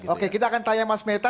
oke kita akan tanya mas meta